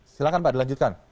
silakan pak dilanjutkan